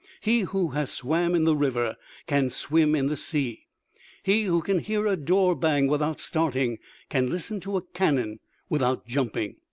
He who has swam in the river can swim in the sea; he who can hear a door bang without starting can listen to a cannon without jumping.